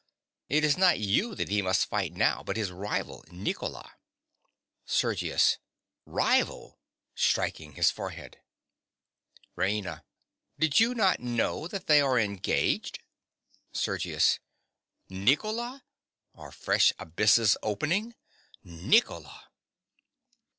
It is not you that he must fight now, but his rival, Nicola. SERGIUS. Rival!! (Striking his forehead.) RAINA. Did you not know that they are engaged? SERGIUS. Nicola! Are fresh abysses opening! Nicola!!